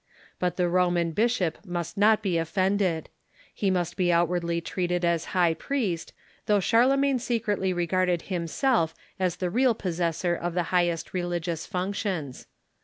But the Roman bishop must not be offended. He must be outwardly treated as high priest, though Charlemagne secretly regarded himself as the real possessor of the highest religious functions.